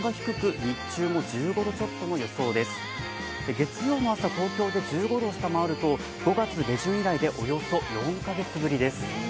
月曜の朝、東京で１５度を下回ると、５月下旬以来で、およそ４か月ぶりです。